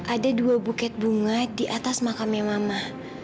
ada dua buket bunga di atas makamnya mama